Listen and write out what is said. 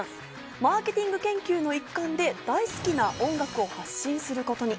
マーケティング研究の一環で大好きな音楽を発信することに。